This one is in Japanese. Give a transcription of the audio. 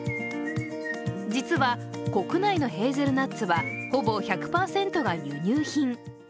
実は国内のヘーゼルナッツはほぼ１００％が輸入品。